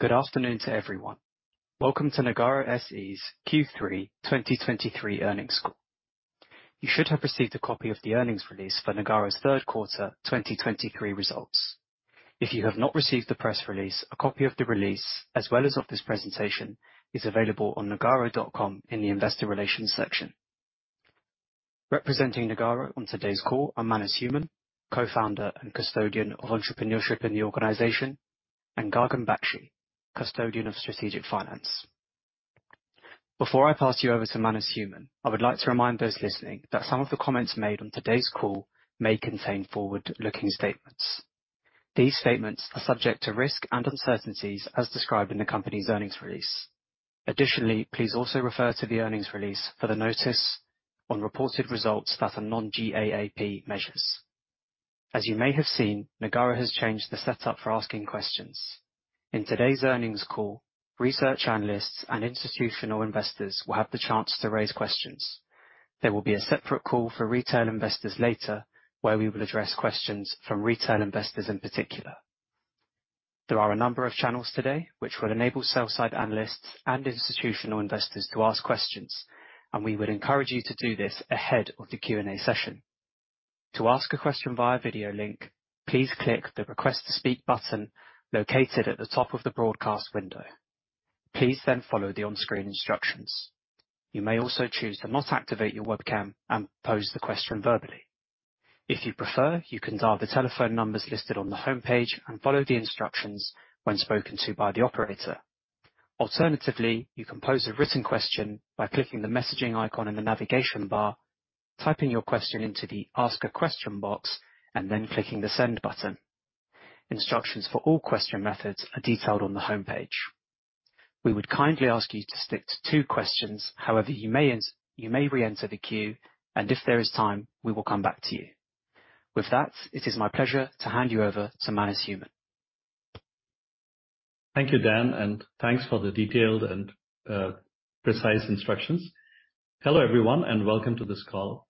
Good afternoon to everyone. Welcome to Nagarro SE's Q3 2023 earnings call. You should have received a copy of the earnings release for Nagarro's third quarter 2023 results. If you have not received the press release, a copy of the release, as well as of this presentation, is available on nagarro.com in the Investor Relations section. Representing Nagarro on today's call are Manas Human, Co-founder and Custodian of Entrepreneurship in the organization, and Gagan Bakshi, Custodian of Strategic Finance. Before I pass you over to Manas Human, I would like to remind those listening that some of the comments made on today's call may contain forward-looking statements. These statements are subject to risk and uncertainties as described in the company's earnings release. Additionally, please also refer to the earnings release for the notice on reported results that are non-GAAP measures. As you may have seen, Nagarro has changed the setup for asking questions. In today's earnings call, research analysts and institutional investors will have the chance to raise questions. There will be a separate call for retail investors later, where we will address questions from retail investors in particular. There are a number of channels today which will enable sell side analysts and institutional investors to ask questions, and we would encourage you to do this ahead of the Q&A session. To ask a question via video link, please click the Request to Speak button located at the top of the broadcast window. Please then follow the on-screen instructions. You may also choose to not activate your webcam and pose the question verbally. If you prefer, you can dial the telephone numbers listed on the homepage and follow the instructions when spoken to by the operator. Alternatively, you can pose a written question by clicking the messaging icon in the navigation bar, typing your question into the Ask a Question box, and then clicking the Send button. Instructions for all question methods are detailed on the homepage. We would kindly ask you to stick to two questions. However, you may reenter the queue, and if there is time, we will come back to you. With that, it is my pleasure to hand you over to Manas Human. Thank you, Dan, and thanks for the detailed and precise instructions. Hello, everyone, and welcome to this call.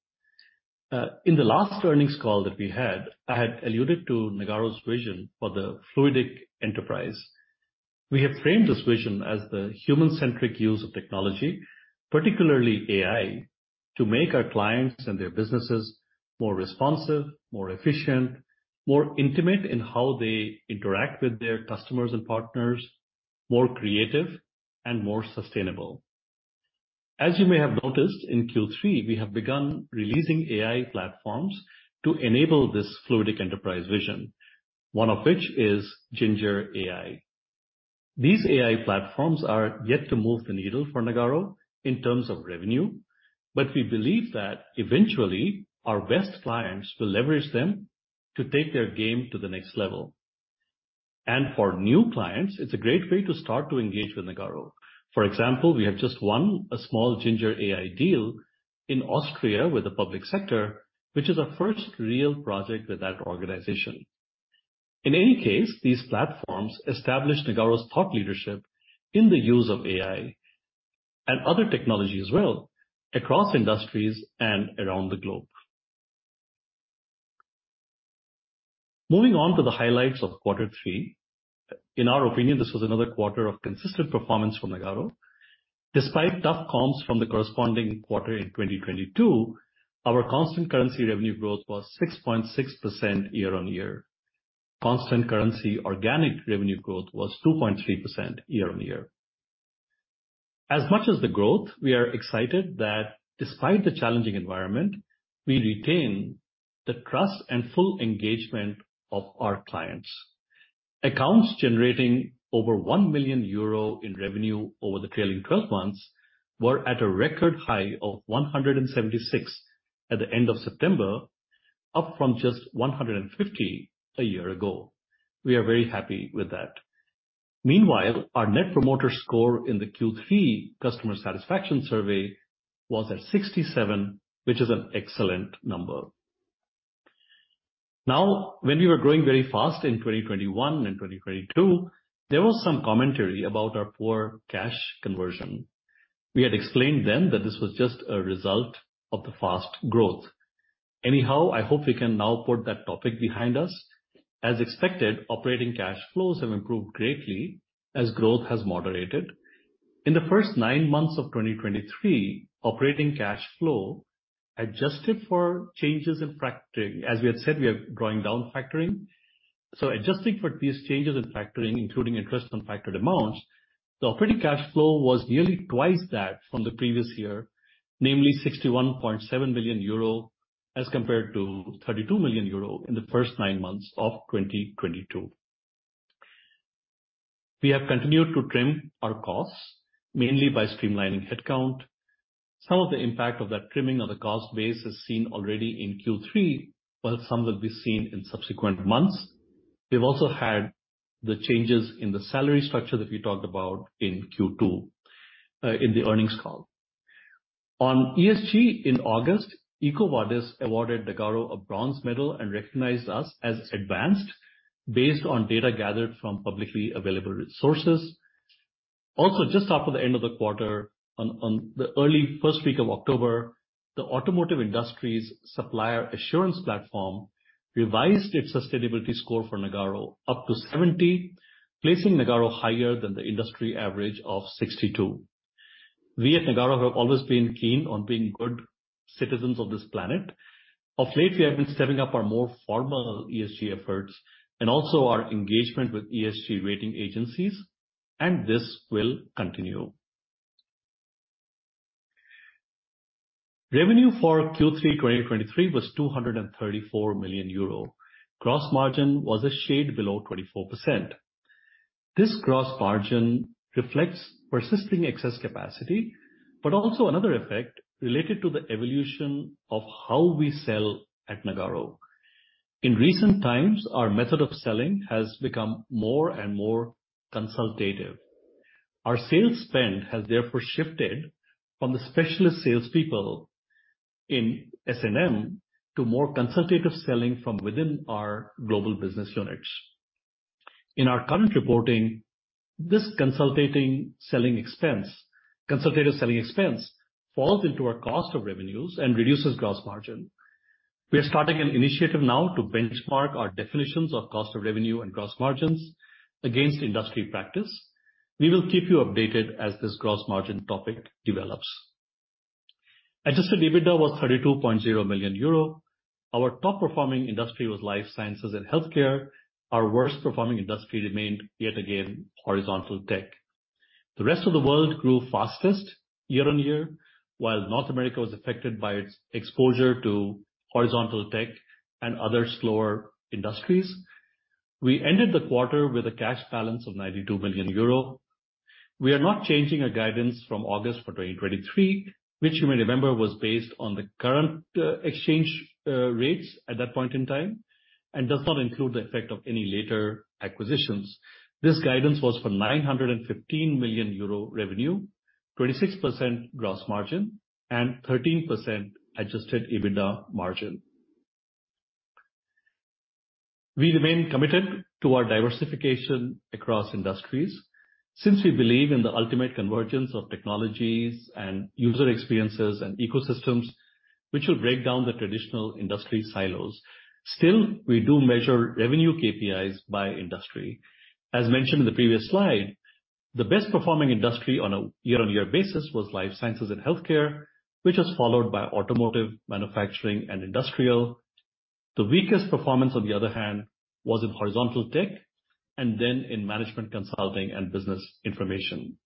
In the last earnings call that we had, I had alluded to Nagarro's vision for the Fluidic Enterprise. We have framed this vision as the human-centric use of technology, particularly AI, to make our clients and their businesses more responsive, more efficient, more intimate in how they interact with their customers and partners, more creative and more sustainable. As you may have noticed, in Q3, we have begun releasing AI platforms to enable this Fluidic Enterprise vision, one of which is Ginger AI. These AI platforms are yet to move the needle for Nagarro in terms of revenue, but we believe that eventually our best clients will leverage them to take their game to the next level. For new clients, it's a great way to start to engage with Nagarro. For example, we have just won a small Ginger AI deal in Austria with the public sector, which is our first real project with that organization. In any case, these platforms establish Nagarro's thought leadership in the use of AI and other technology as well, across industries and around the globe. Moving on to the highlights of quarter three. In our opinion, this was another quarter of consistent performance from Nagarro. Despite tough comps from the corresponding quarter in 2022, our constant currency revenue growth was 6.6% year-on-year. Constant currency, organic revenue growth was 2.3% year-on-year. As much as the growth, we are excited that despite the challenging environment, we retain the trust and full engagement of our clients. Accounts generating over 1 million euro in revenue over the trailing twelve months were at a record high of 176 at the end of September, up from just 150 a year ago. We are very happy with that. Meanwhile, our Net Promoter Score in the Q3 customer satisfaction survey was at 67, which is an excellent number. Now, when we were growing very fast in 2021 and 2022, there was some commentary about our poor cash conversion. We had explained then that this was just a result of the fast growth. Anyhow, I hope we can now put that topic behind us. As expected, operating cash flows have improved greatly as growth has moderated. In the first nine months of 2023, operating cash flow adjusted for changes in factoring. As we had said, we are drawing down factoring, so adjusting for these changes in factoring, including interest on factored amounts, the operating cash flow was nearly twice that from the previous year, namely 61.7 million euro, as compared to 32 million euro in the first nine months of 2022. We have continued to trim our costs, mainly by streamlining headcount. Some of the impact of that trimming of the cost base is seen already in Q3, while some will be seen in subsequent months. We've also had the changes in the salary structure that we talked about in Q2, in the earnings call. On ESG in August, EcoVadis awarded Nagarro a bronze medal and recognized us as advanced, based on data gathered from publicly available resources. Also, just after the end of the quarter, on the early first week of October, the automotive industry's supplier assurance platform revised its sustainability score for Nagarro up to 70, placing Nagarro higher than the industry average of 62. We at Nagarro have always been keen on being good citizens of this planet. Of late, we have been stepping up our more formal ESG efforts and also our engagement with ESG rating agencies, and this will continue. Revenue for Q3 2023 was 234 million euro. Gross margin was a shade below 24%. This gross margin reflects persisting excess capacity, but also another effect related to the evolution of how we sell at Nagarro. In recent times, our method of selling has become more and more consultative. Our sales spend has therefore shifted from the specialist salespeople in S&M to more consultative selling from within our global business units. In our current reporting, this consultative selling expense falls into our cost of revenues and reduces gross margin. We are starting an initiative now to benchmark our definitions of cost of revenue and gross margins against industry practice. We will keep you updated as this gross margin topic develops. Adjusted EBITDA was 32.0 million euro. Our top performing industry was Life Sciences and Healthcare. Our worst performing industry remained, yet again, Horizontal Tech. The Rest of the World grew fastest year-on-year, while North America was affected by its exposure to Horizontal Tech and other slower industries. We ended the quarter with a cash balance of 92 million euro. We are not changing our guidance from August for 2023, which you may remember, was based on the current, exchange, rates at that point in time and does not include the effect of any later acquisitions. This guidance was for 915 million euro revenue, 26% gross margin and 13% Adjusted EBITDA margin. We remain committed to our diversification across industries since we believe in the ultimate convergence of technologies and user experiences and ecosystems, which will break down the traditional industry silos. Still, we do measure revenue KPIs by industry. As mentioned in the previous slide, the best performing industry on a year-on-year basis was life sciences and healthcare, which was followed by Automotive, Manufacturing and Industrial. The weakest performance, on the other hand, was in Horizontal Tech and then in Management Consulting and Business Information.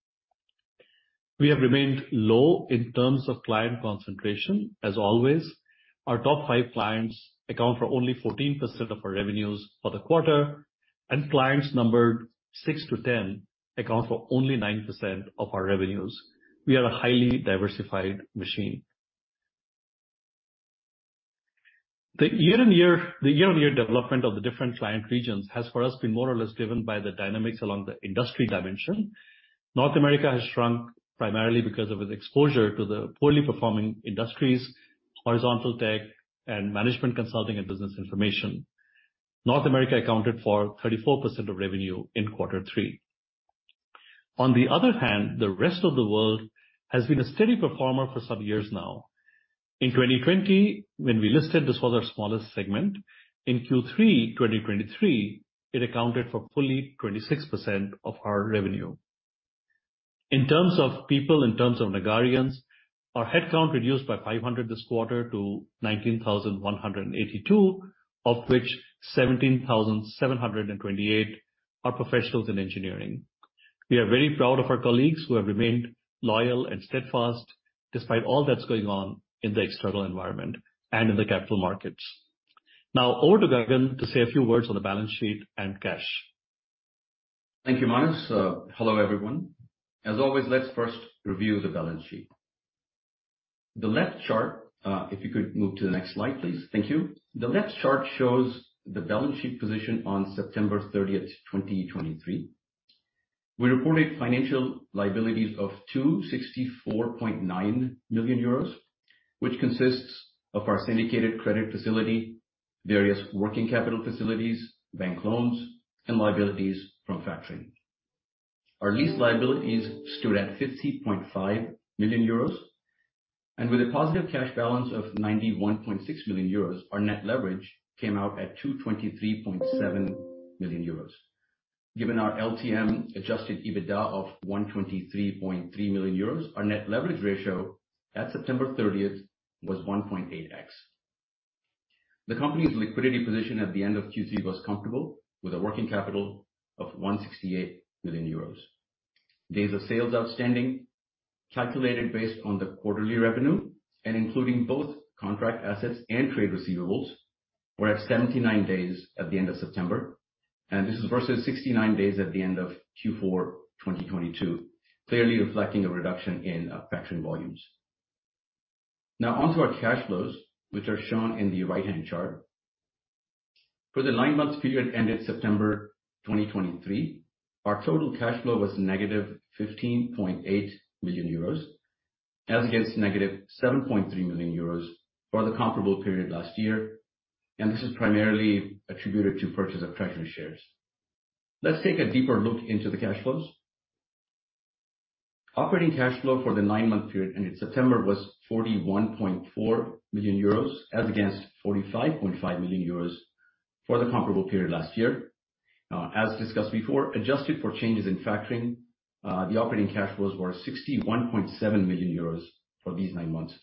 We have remained low in terms of client concentration as always. Our top 5 clients account for only 14% of our revenues for the quarter, and clients numbered 6 to 10 account for only 9% of our revenues. We are a highly diversified machine. The year-over-year, the year-over-year development of the different client regions has, for us, been more or less driven by the dynamics along the industry dimension. North America has shrunk primarily because of its exposure to the poorly performing industries, horizontal tech and management consulting and business information. North America accounted for 34% of revenue in quarter three. On the other hand, the rest of the world has been a steady performer for some years now. In 2020, when we listed, this was our smallest segment. In Q3 2023, it accounted for fully 26% of our revenue. In terms of people, in terms of Nagarians, our headcount reduced by 500 this quarter to 19,182, of which 17,728 are professionals in engineering. We are very proud of our colleagues, who have remained loyal and steadfast despite all that's going on in the external environment and in the capital markets. Now over to Gagan to say a few words on the balance sheet and cash. Thank you, Manas. Hello, everyone. As always, let's first review the balance sheet. The left chart, if you could move to the next slide, please. Thank you. The left chart shows the balance sheet position on September 30, 2023. We reported financial liabilities of 264.9 million euros, which consists of our syndicated credit facility, various working capital facilities, bank loans and liabilities from factoring. Our lease liabilities stood at 50.5 million euros, and with a positive cash balance of 91.6 million euros, our net leverage came out at 223.7 million euros. Given our LTM Adjusted EBITDA of 123.3 million euros, our net leverage ratio at September 30 was 1.8x. The company's liquidity position at the end of Q3 was comfortable, with a working capital of 168 million euros. Days Sales Outstanding, calculated based on the quarterly revenue and including both contract assets and trade receivables, were at 79 days at the end of September, and this is versus 69 days at the end of Q4 2022, clearly reflecting a reduction in factoring volumes. Now on to our cash flows, which are shown in the right-hand chart. For the nine-month period ended September 2023, our total cash flow was -15.8 million euros as against -7.3 million euros for the comparable period last year, and this is primarily attributed to purchase of treasury shares. Let's take a deeper look into the cash flows. Operating cash flow for the nine-month period ending September was 41.4 million euros, as against 45.5 million euros for the comparable period last year. As discussed before, adjusted for changes in factoring, the operating cash flows were 61.7 million euros for these nine months,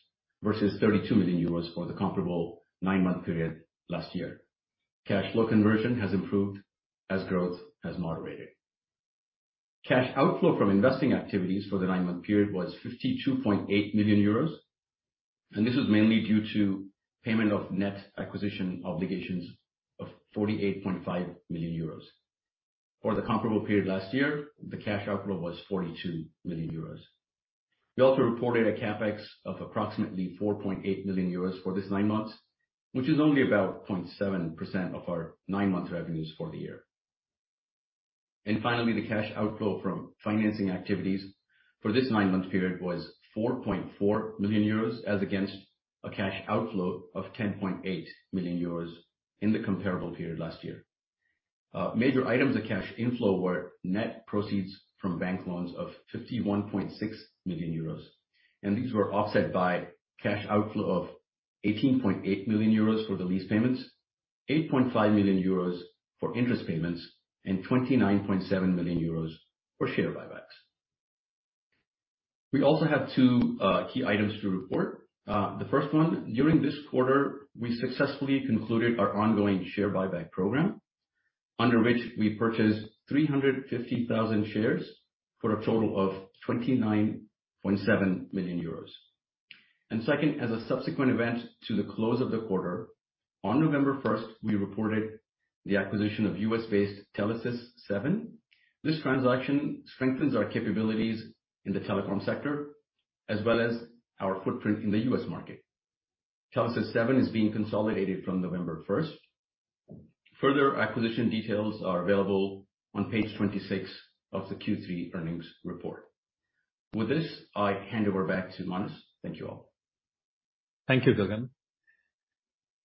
versus 32 million euros for the comparable nine-month period last year. Cash flow conversion has improved as growth has moderated. Cash outflow from investing activities for the nine-month period was 52.8 million euros, and this was mainly due to payment of net acquisition obligations of 48.5 million euros. For the comparable period last year, the cash outflow was 42 million euros. We also reported a CapEx of approximately 4.8 million euros for this nine months, which is only about 0.7% of our nine-month revenues for the year. Finally, the cash outflow from financing activities for this nine-month period was 4.4 million euros, as against a cash outflow of 10.8 million euros in the comparable period last year. Major items of cash inflow were net proceeds from bank loans of 51.6 million euros, and these were offset by cash outflow of 18.8 million euros for the lease payments, 8.5 million euros for interest payments, and 29.7 million euros for share buybacks. We also have two key items to report. The first one, during this quarter, we successfully concluded our ongoing share buyback program, under which we purchased 350,000 shares for a total of 29.7 million euros. Second, as a subsequent event to the close of the quarter, on November 1, we reported the acquisition of U.S.-based Telesis 7. This transaction strengthens our capabilities in the telecom sector, as well as our footprint in the U.S. market. Telesis 7 is being consolidated from November 1. Further acquisition details are available on page 26 of the Q3 earnings report. With this, I hand over back to Manas. Thank you all. Thank you, Gagan.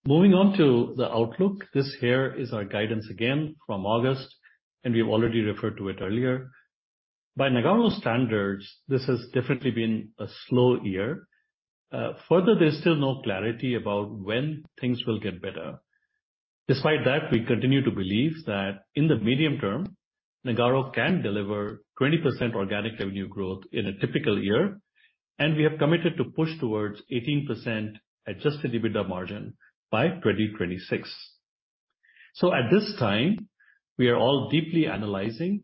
Moving on to the outlook, this here is our guidance again from August, and we've already referred to it earlier. By Nagarro standards, this has definitely been a slow year. Further, there's still no clarity about when things will get better. Despite that, we continue to believe that in the medium term, Nagarro can deliver 20% organic revenue growth in a typical year, and we have committed to push towards 18% adjusted EBITDA margin by 2026. So at this time, we are all deeply analyzing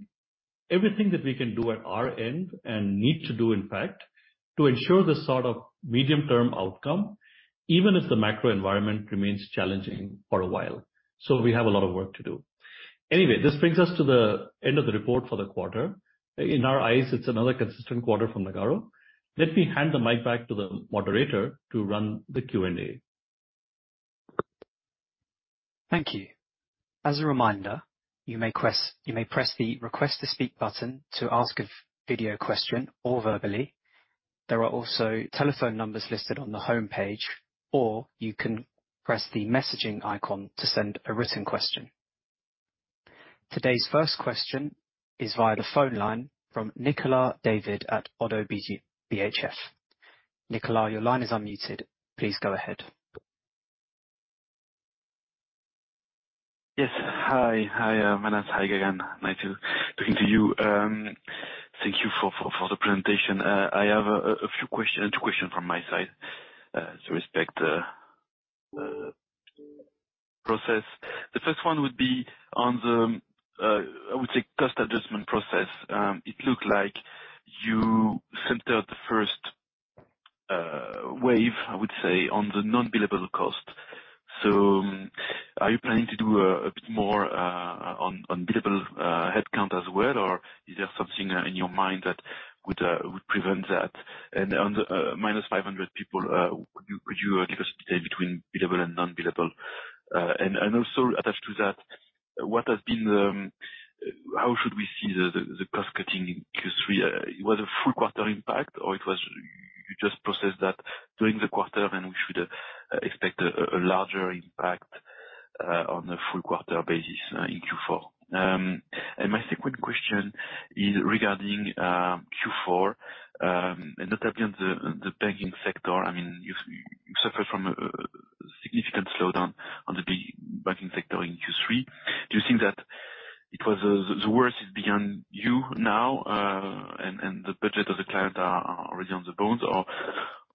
everything that we can do at our end, and need to do, in fact, to ensure this sort of medium-term outcome, even as the macro environment remains challenging for a while. So we have a lot of work to do. Anyway, this brings us to the end of the report for the quarter. In our eyes, it's another consistent quarter from Nagarro. Let me hand the mic back to the moderator to run the Q&A. Thank you. As a reminder, you may press the Request to Speak button to ask a video question or verbally. There are also telephone numbers listed on the home page, or you can press the messaging icon to send a written question. Today's first question is via the phone line from Nicolas David at ODDO BHF. Nicolas, your line is unmuted. Please go ahead. Yes. Hi. Hi, Manas. Hi again, nice talking to you. Thank you for the presentation. I have a few questions, two questions from my side, so respect process. The first one would be on the, I would say, cost adjustment process. It looked like you centered the first wave, I would say, on the non-billable cost. So are you planning to do a bit more on billable headcount as well? Or is there something in your mind that would prevent that? And on the -500 people, could you give us detail between billable and non-billable? And also attached to that, what has been the, how should we see the cost cutting in Q3? It was a full quarter impact, or it was you just processed that during the quarter, and we should expect a larger impact on a full quarter basis in Q4? And my second question is regarding Q4 and not only on the banking sector. I mean, you suffered from a significant slowdown on the banking sector in Q3. Do you think that it was the worst is behind you now, and the budget of the client are already on the bones?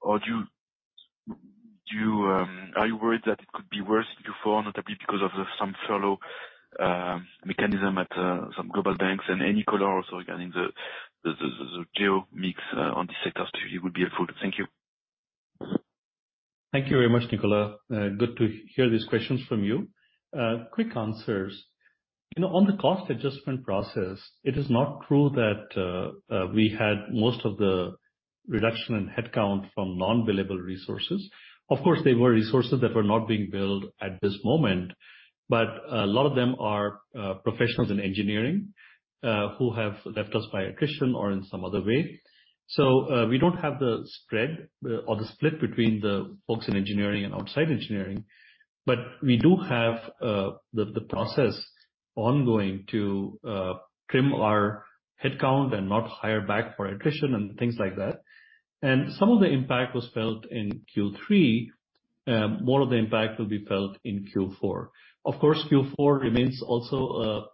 Or do you are you worried that it could be worse in Q4, not only because of the some fellow mechanism at some global banks? And any color also again in the geo mix on the sectors too, it would be helpful. Thank you. Thank you very much, Nicolas. Good to hear these questions from you. Quick answers. You know, on the cost adjustment process, it is not true that we had most of the reduction in headcount from non-billable resources. Of course, they were resources that were not being billed at this moment, but a lot of them are professionals in engineering who have left us by attrition or in some other way. So, we don't have the spread or the split between the folks in engineering and outside engineering, but we do have the process ongoing to trim our headcount and not hire back for attrition and things like that. And some of the impact was felt in Q3. More of the impact will be felt in Q4. Of course, Q4 remains also a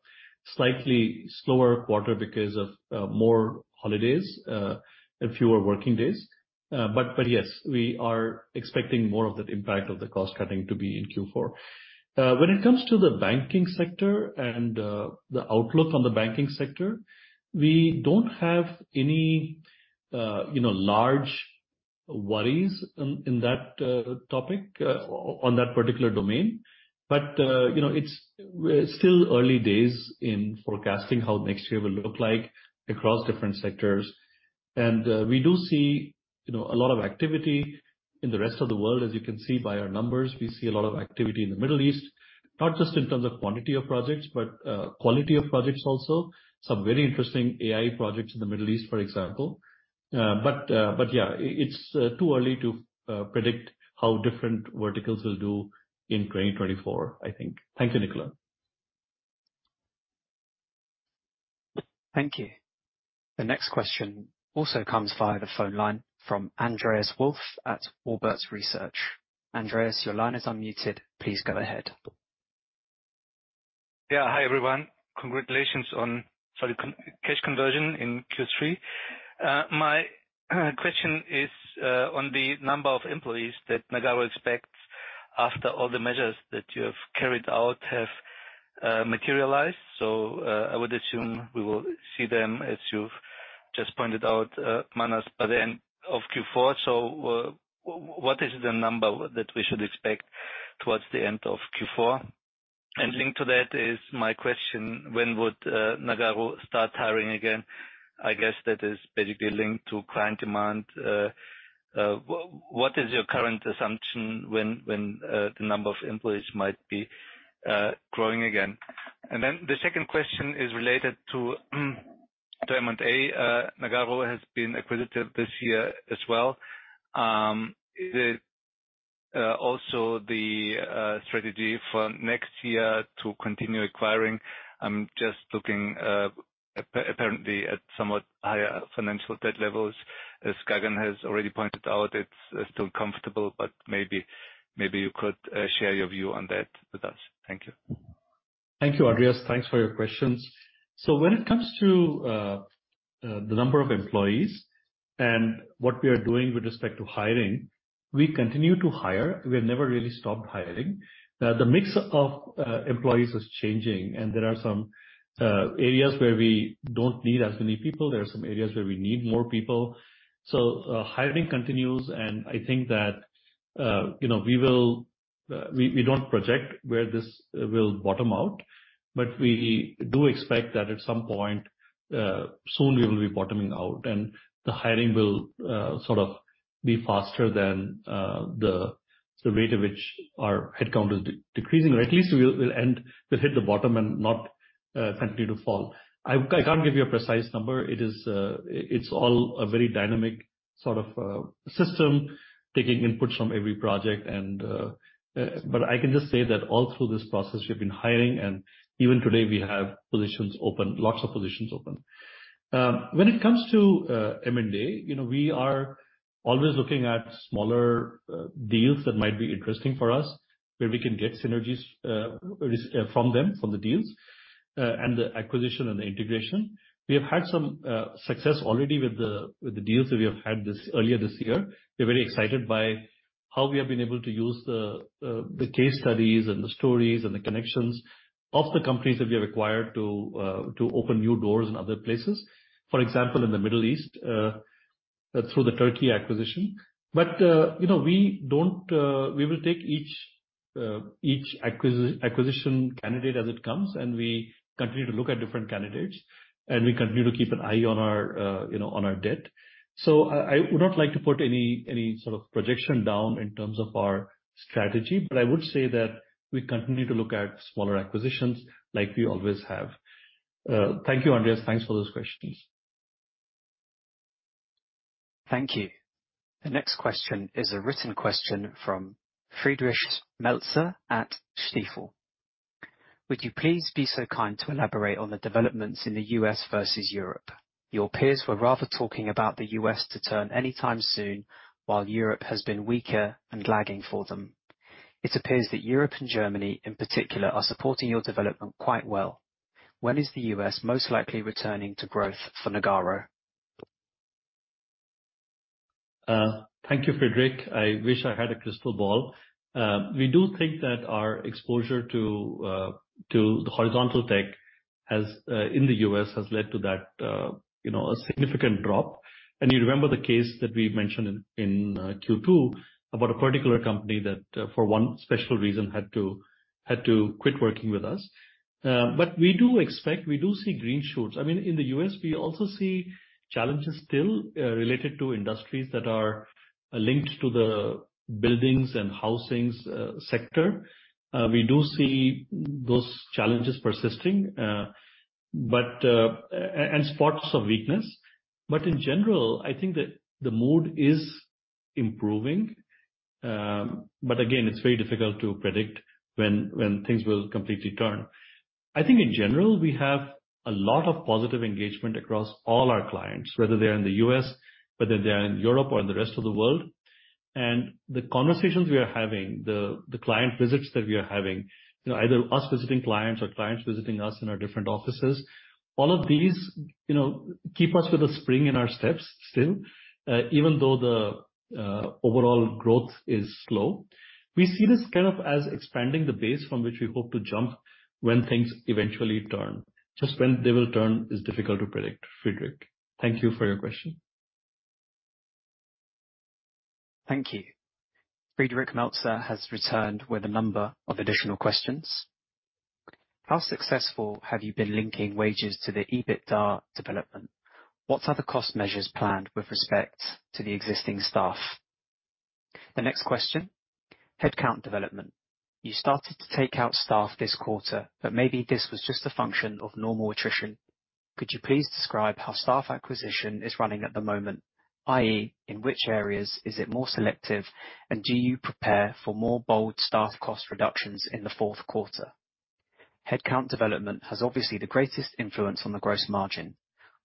slightly slower quarter because of more holidays and fewer working days. But yes, we are expecting more of that impact of the cost cutting to be in Q4. When it comes to the banking sector and the outlook on the banking sector, we don't have any, you know, large worries in that topic on that particular domain. But you know, it's still early days in forecasting how next year will look like across different sectors. And we do see, you know, a lot of activity in the rest of the world, as you can see by our numbers. We see a lot of activity in the Middle East, not just in terms of quantity of projects, but quality of projects, also. Some very interesting AI projects in the Middle East, for example. But, yeah, it's too early to predict how different verticals will do in 2024, I think. Thank you, Nicolas. Thank you. The next question also comes via the phone line from Andreas Wolf at Warburg Research. Andreas, your line is unmuted. Please go ahead. Yeah. Hi, everyone. Congratulations on solid cash conversion in Q3. My question is on the number of employees that Nagarro expects after all the measures that you have carried out have materialized. So, I would assume we will see them, as you've just pointed out, Manas, by the end of Q4. So what is the number that we should expect towards the end of Q4? And linked to that is my question: when would Nagarro start hiring again? I guess that is basically linked to client demand. What is your current assumption when the number of employees might be growing again? And then the second question is related to M&A. Nagarro has been acquisitive this year as well. Is it also the strategy for next year to continue acquiring? I'm just looking, apparently at somewhat higher financial debt levels. As Gagan has already pointed out, it's still comfortable, but maybe, maybe you could, share your view on that with us. Thank you. Thank you, Andreas. Thanks for your questions. So when it comes to the number of employees and what we are doing with respect to hiring, we continue to hire. We have never really stopped hiring. The mix of employees is changing, and there are some areas where we don't need as many people. There are some areas where we need more people. So hiring continues, and I think that, you know, we will, we don't project where this will bottom out, but we do expect that at some point soon we will be bottoming out, and the hiring will sort of be faster than the rate at which our headcount is decreasing, or at least we'll end, we'll hit the bottom and not continue to fall. I can't give you a precise number. It is, it's all a very dynamic sort of, system, taking inputs from every project and, but I can just say that all through this process, we've been hiring, and even today, we have positions open, lots of positions open. When it comes to, M&A, you know, we are always looking at smaller, deals that might be interesting for us, where we can get synergies, from them, from the deals, and the acquisition and the integration. We have had some, success already with the, with the deals that we have had this, earlier this year. We're very excited by how we have been able to use the, the case studies and the stories and the connections of the companies that we have acquired to, to open new doors in other places. For example, in the Middle East, through the Turkey acquisition. But, you know, we don't, we will take each acquisition candidate as it comes, and we continue to look at different candidates, and we continue to keep an eye on our, you know, on our debt. So I would not like to put any sort of projection down in terms of our strategy, but I would say that we continue to look at smaller acquisitions like we always have. Thank you, Andreas. Thanks for those questions. Thank you. The next question is a written question from Friedrich Meltzer at Stifel. Would you please be so kind to elaborate on the developments in the US versus Europe? Your peers were rather talking about the US to turn anytime soon, while Europe has been weaker and lagging for them. It appears that Europe and Germany, in particular, are supporting your development quite well. When is the US most likely returning to growth for Nagarro? Thank you, Friedrich. I wish I had a crystal ball. We do think that our exposure to the Horizontal Tech in the U.S. has led to that, you know, a significant drop. And you remember the case that we mentioned in Q2 about a particular company that for one special reason had to quit working with us. But we do expect, we do see green shoots. I mean, in the U.S., we also see challenges still related to industries that are linked to the buildings and housings sector. We do see those challenges persisting, but and spots of weakness. But in general, I think that the mood is improving. But again, it's very difficult to predict when things will completely turn. I think in general, we have a lot of positive engagement across all our clients, whether they're in the U.S., whether they're in Europe or the rest of the world. And the conversations we are having, the client visits that we are having, you know, either us visiting clients or clients visiting us in our different offices, all of these, you know, keep us with a spring in our steps still, even though the overall growth is slow. We see this kind of as expanding the base from which we hope to jump when things eventually turn. Just when they will turn is difficult to predict. Friedrich, thank you for your question. Thank you. Friedrich Meltzer has returned with a number of additional questions. How successful have you been linking wages to the EBITDA development? What other cost measures planned with respect to the existing staff? The next question, headcount development. You started to take out staff this quarter, but maybe this was just a function of normal attrition. Could you please describe how staff acquisition is running at the moment, i.e., in which areas is it more selective, and do you prepare for more bold staff cost reductions in the fourth quarter? Headcount development has obviously the greatest influence on the gross margin.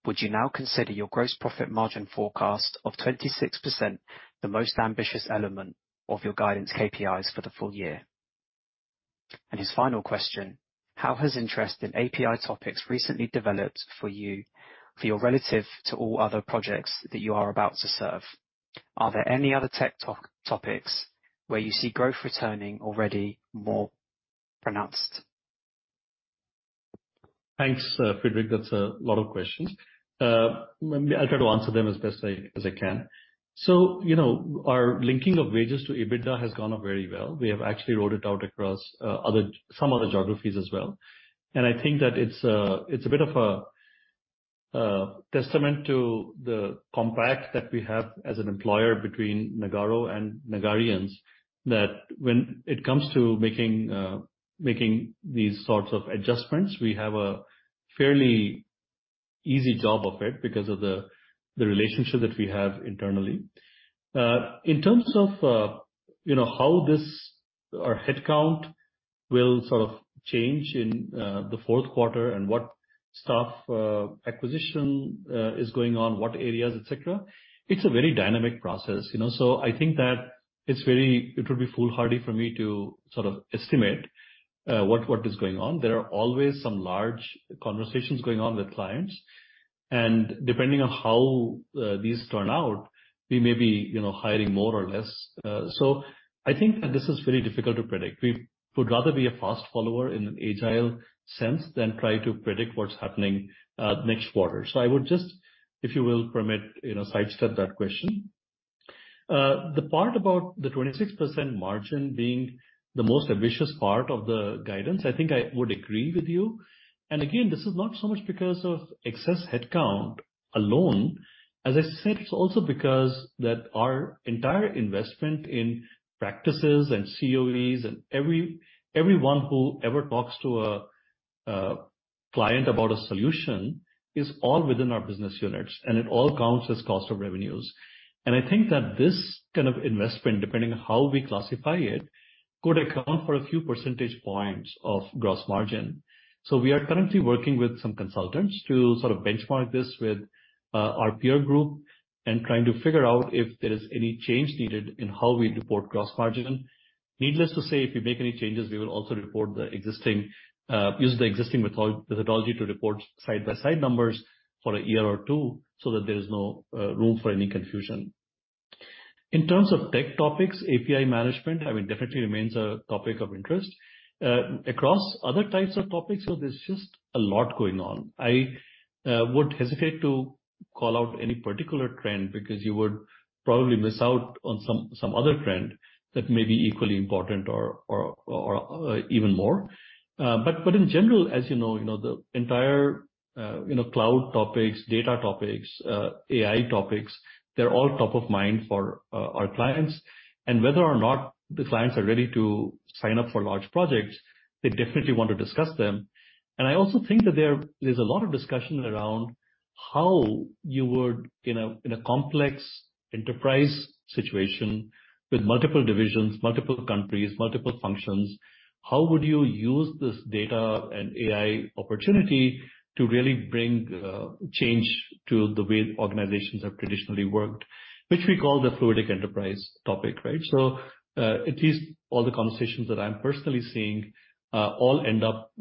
Would you now consider your gross profit margin forecast of 26%, the most ambitious element of your guidance KPIs for the full year? His final question: How has interest in API topics recently developed for you relative to all other projects that you are about to serve? Are there any other tech topics where you see growth returning already more pronounced? Thanks, Friedrich. That's a lot of questions. Maybe I'll try to answer them as best I can. So, you know, our linking of wages to EBITDA has gone up very well. We have actually rolled it out across some other geographies as well. And I think that it's a bit of a testament to the compact that we have as an employer between Nagarro and Nagarians, that when it comes to making these sorts of adjustments, we have a fairly easy job of it because of the relationship that we have internally. In terms of, you know, how our headcount will sort of change in the fourth quarter and what staff acquisition is going on, what areas, et cetera, it's a very dynamic process, you know? So I think that it's very It would be foolhardy for me to sort of estimate what is going on. There are always some large conversations going on with clients, and depending on how these turn out, we may be, you know, hiring more or less. So I think that this is very difficult to predict. We would rather be a fast follower in an agile sense than try to predict what's happening next quarter. So I would just, if you will permit, you know, sidestep that question. The part about the 26% margin being the most ambitious part of the guidance, I think I would agree with you. And again, this is not so much because of excess headcount alone. As I said, it's also because that our entire investment in practices and COEs and everyone who ever talks to a client about a solution is all within our business units, and it all counts as cost of revenues. I think that this kind of investment, depending on how we classify it, could account for a few percentage points of gross margin. We are currently working with some consultants to sort of benchmark this with our peer group and trying to figure out if there is any change needed in how we report gross margin. Needless to say, if we make any changes, we will also report the existing, use the existing methodology to report side-by-side numbers for a year or two, so that there is no room for any confusion. In terms of tech topics, API Management, I mean, definitely remains a topic of interest. Across other types of topics, so there's just a lot going on. I would hesitate to call out any particular trend because you would probably miss out on some other trend that may be equally important or even more. But in general, as you know, you know, the entire, you know, cloud topics, data topics, AI topics, they're all top of mind for our clients. And whether or not the clients are ready to sign up for large projects, they definitely want to discuss them. And I also think that there, there's a lot of discussion around how you would, in a, in a complex enterprise situation with multiple divisions, multiple countries, multiple functions, how would you use this data and AI opportunity to really bring, change to the way organizations have traditionally worked, which we call the Fluidic Enterprise topic, right? So, at least all the conversations that I'm personally seeing, all end up,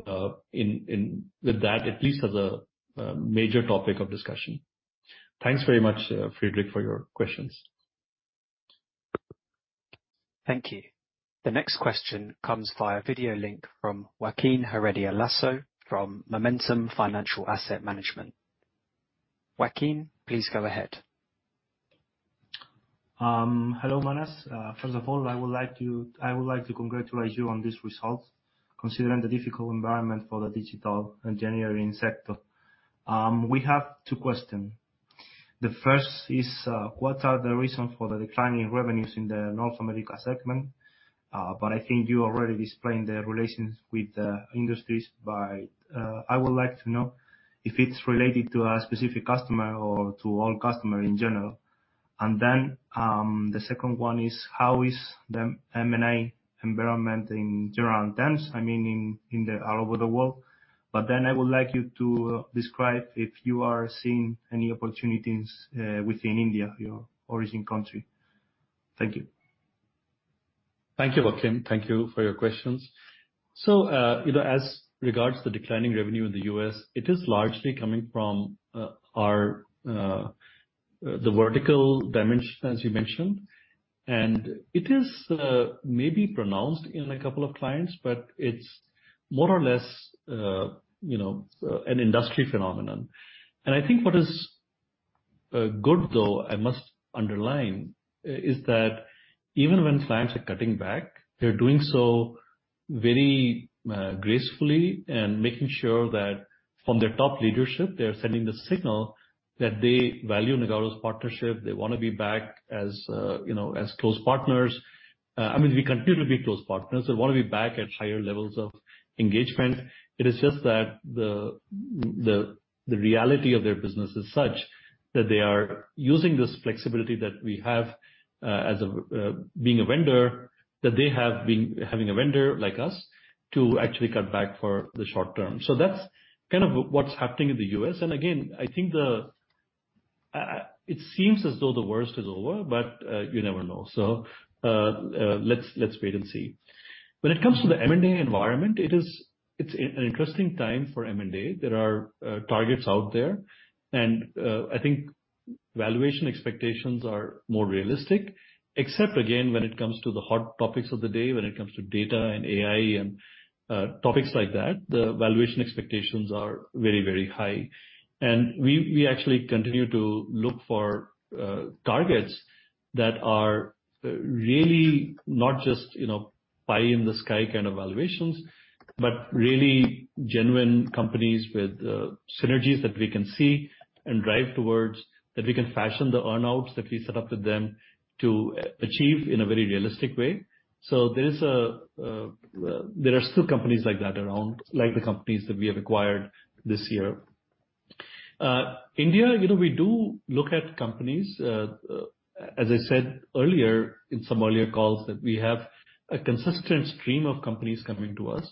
in, in, with that, at least as a, major topic of discussion. Thanks very much, Friedrich, for your questions. Thank you. The next question comes via video link from Joaquin Heredia Lasso from Momentum Financial Asset Management. Joaquin, please go ahead. Hello, Manas. First of all, I would like to, I would like to congratulate you on this result, considering the difficult environment for the digital engineering sector. We have two question. The first is, what are the reasons for the declining revenues in the North America segment? But I think you already explained the relations with the industries by. I would like to know if it's related to a specific customer or to all customer in general. And then, the second one is, how is the M&A environment in general terms? I mean, in all over the world. But then I would like you to describe if you are seeing any opportunities, within India, your origin country. Thank you. Thank you, Joaquin. Thank you for your questions. So, you know, as regards to the declining revenue in the U.S., it is largely coming from our vertical dimension, as you mentioned. And it is maybe pronounced in a couple of clients, but it's more or less, you know, an industry phenomenon. And I think what is good, though, I must underline, is that even when clients are cutting back, they're doing so very gracefully and making sure that from their top leadership, they're sending the signal that they value Nagarro's partnership. They wanna be back as, you know, as close partners. I mean, we continue to be close partners. They wanna be back at higher levels of engagement. It is just that the reality of their business is such that they are using this flexibility that we have, as a being a vendor, that they have been having a vendor like us to actually cut back for the short term. So that's kind of what's happening in the US. And again, I think it seems as though the worst is over, but you never know. So, let's wait and see. When it comes to the M&A environment, it is, it's an interesting time for M&A. There are targets out there, and I think valuation expectations are more realistic, except, again, when it comes to the hot topics of the day, when it comes to data and AI and topics like that, the valuation expectations are very, very high. And we, we actually continue to look for targets that are really not just, you know, pie in the sky kind of valuations, but really genuine companies with synergies that we can see and drive towards, that we can fashion the earn-outs that we set up with them to achieve in a very realistic way. So there are still companies like that around, like the companies that we have acquired this year. India, you know, we do look at companies as I said earlier in some earlier calls, that we have a consistent stream of companies coming to us.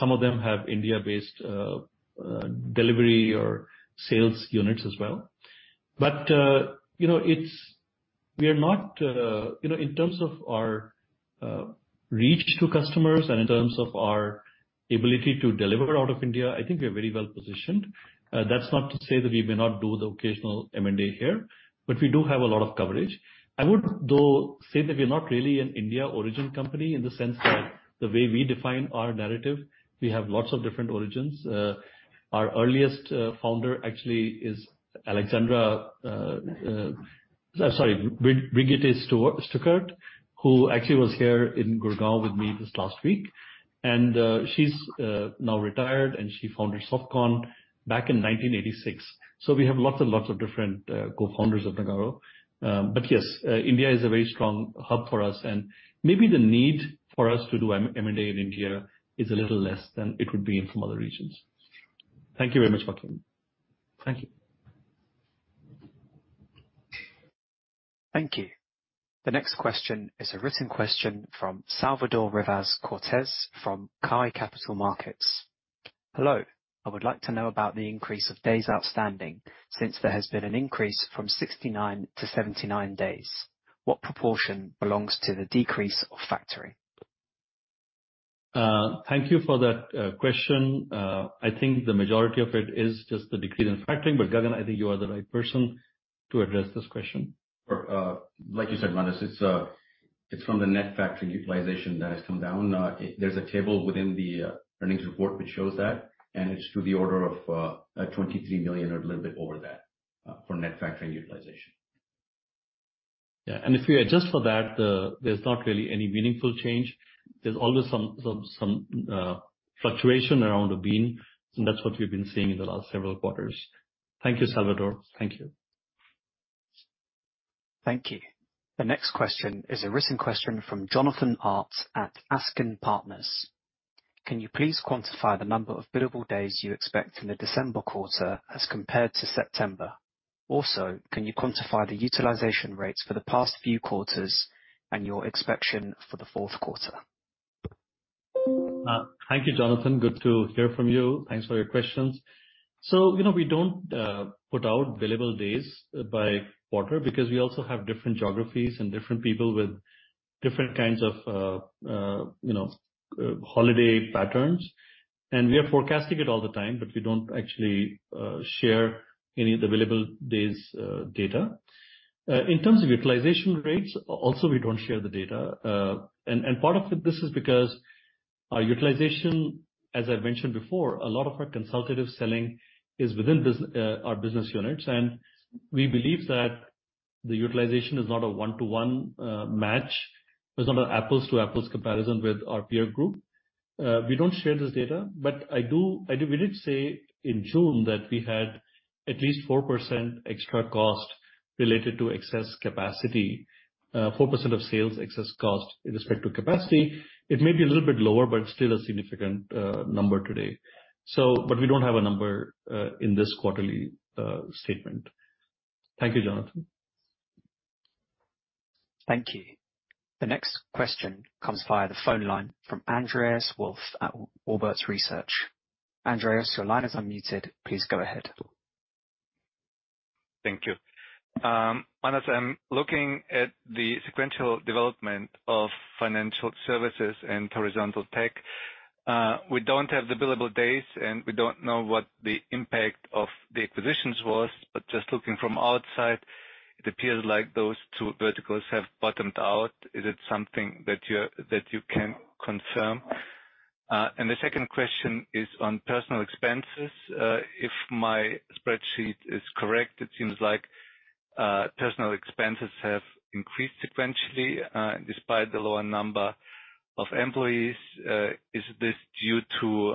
Some of them have India-based delivery or sales units as well. But you know, it's, we are not You know, in terms of our reach to customers and in terms of our ability to deliver out of India, I think we are very well-positioned. That's not to say that we may not do the occasional M&A here, but we do have a lot of coverage. I would, though, say that we're not really an India origin company, in the sense that the way we define our narrative, we have lots of different origins. Our earliest founder actually is Alexandra, sorry, Brigitte Stuckert, who actually was here in Gurgaon with me this last week, and she's now retired, and she founded SoftCon back in 1986. So we have lots and lots of different co-founders of Nagarro. But yes, India is a very strong hub for us, and maybe the need for us to do M&A in India is a little less than it would be from other regions. Thank you very much, Joaquin. Thank you. Thank you. The next question is a written question from Salvador Rivas Cortes from JB Capital Markets. "Hello, I would like to know about the increase of days outstanding since there has been an increase from 69 to 79 days. What proportion belongs to the decrease of factoring? Thank you for that question. I think the majority of it is just the decrease in factoring, but Gagan, I think you are the right person to address this question. Like you said, Manas, it's from the net factoring utilization that has come down. There's a table within the earnings report which shows that, and it's to the order of 23 million or a little bit over that for net factoring utilization. Yeah, and if we adjust for that, there's not really any meaningful change. There's always some fluctuation around the mean, and that's what we've been seeing in the last several quarters. Thank you, Salvador. Thank you. Thank you. The next question is a written question from Jonathan Art at Ascan Partners. "Can you please quantify the number of billable days you expect in the December quarter as compared to September? Also, can you quantify the utilization rates for the past few quarters and your expectation for the fourth quarter? Thank you, Jonathan. Good to hear from you. Thanks for your questions. So, you know, we don't put out billable days by quarter because we also have different geographies and different people with different kinds of, you know, holiday patterns, and we are forecasting it all the time, but we don't actually share any of the billable days data. In terms of utilization rates, also, we don't share the data, and part of it, this is because our utilization, as I've mentioned before, a lot of our consultative selling is within our business units, and we believe that the utilization is not a one-to-one match. It's not an apples to apples comparison with our peer group. We don't share this data, but we did say in June that we had at least 4% extra cost related to excess capacity, 4% of sales excess cost with respect to capacity. It may be a little bit lower, but still a significant number today. But we don't have a number in this quarterly statement. Thank you, Jonathan. Thank you. The next question comes via the phone line from Andreas Wolf at Warburg Research. Andreas, your line is unmuted. Please go ahead. Thank you. Manas, I'm looking at the sequential development of financial services and Horizontal Tech. We don't have the billable days, and we don't know what the impact of the acquisitions was, but just looking from outside, it appears like those two verticals have bottomed out. Is it something that you can confirm? And the second question is on personnel expenses. If my spreadsheet is correct, it seems like personnel expenses have increased sequentially, despite the lower number of employees. Is this due to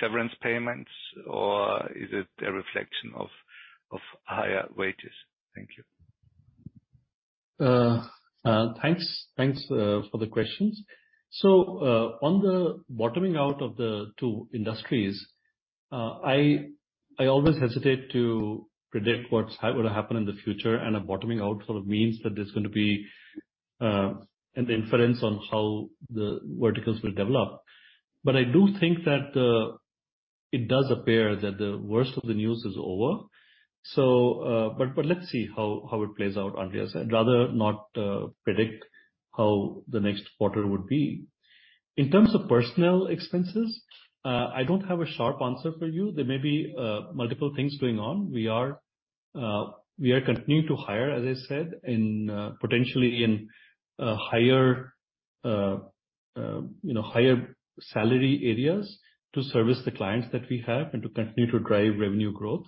severance payments, or is it a reflection of higher wages? Thank you. Thanks. Thanks for the questions. So, on the bottoming out of the two industries, I always hesitate to predict what's going to happen in the future, and a bottoming out sort of means that there's going to be an inference on how the verticals will develop. But I do think that it does appear that the worst of the news is over. But, but let's see how it plays out, Andreas. I'd rather not predict how the next quarter would be. In terms of personnel expenses, I don't have a sharp answer for you. There may be multiple things going on. We are continuing to hire, as I said, in potentially in higher, you know, higher salary areas to service the clients that we have and to continue to drive revenue growth.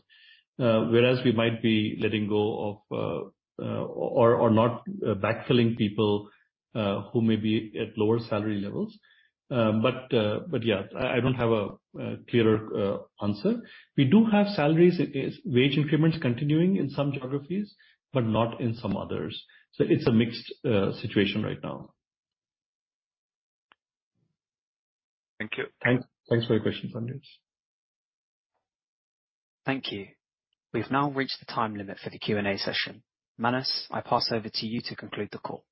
Whereas we might be letting go of or not backfilling people who may be at lower salary levels. But yeah, I don't have a clearer answer. We do have salaries wage increments continuing in some geographies, but not in some others. So it's a mixed situation right now. Thank you. Thanks for your questions, Andreas. Thank you. We've now reached the time limit for the Q&A session. Manas, I pass over to you to conclude the call.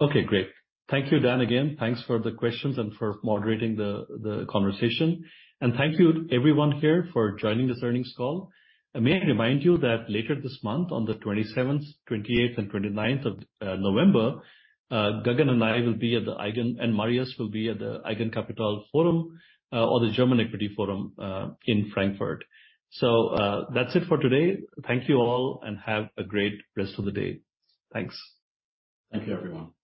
Okay, great. Thank you, Dan, again. Thanks for the questions and for moderating the conversation. And thank you everyone here for joining this earnings call. May I remind you that later this month, on the 27th, 28th, and 29th of November, Gagan and I will be at the German Equity Forum, and Marius will be at the German Equity Forum in Frankfurt. That's it for today. Thank you all, and have a great rest of the day. Thanks. Thank you, everyone.